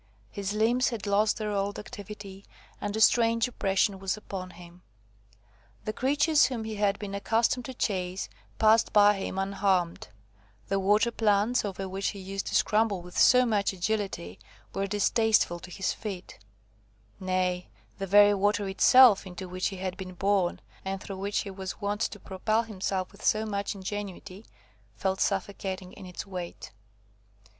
His limbs had lost their old activity, and a strange oppression was upon him. The creatures whom he had been accustomed to chase, passed by him unharmed; the water plants, over which he used to scramble with so much agility, were distasteful to his feet; nay, the very water itself into which he had been born, and through which he was wont to propel himself with so much ingenuity, felt suffocating in its weight.